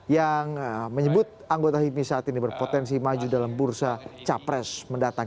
yang menyebut anggota hipmi saat ini berpotensi maju dalam bursa capres mendatang